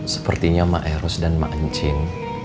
sepertinya mak eros dan mak encin